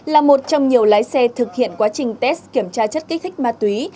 là một trong nhiều lái xe thực hiện quá trình test kiểm tra chất kích thích ma túy